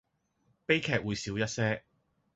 悲劇會少一些